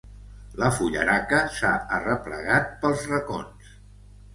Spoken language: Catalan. La fullaraca s'ha arreplegat pels racons.